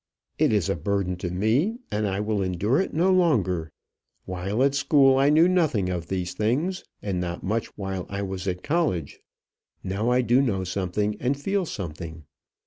"It is a burden to me, and I will endure it no longer. While at school, I knew nothing of these things, and not much while I was at college. Now I do know something, and feel something.